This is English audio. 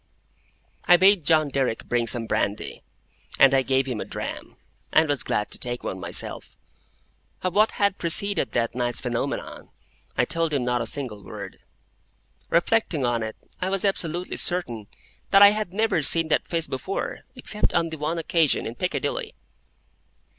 I bade John Derrick bring some brandy, and I gave him a dram, and was glad to take one myself. Of what had preceded that night's phenomenon, I told him not a single word. Reflecting on it, I was absolutely certain that I had never seen that face before, except on the one occasion in Piccadilly.